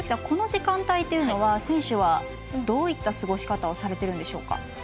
この時間帯というのは選手はどういった過ごし方をされているんでしょうか？